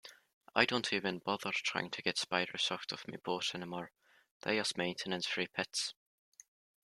I don't even bother trying to get spiders out of my boat anymore, they're just maintenance-free pets.